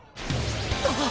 あっ！